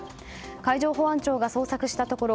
海上保安庁が捜索したところ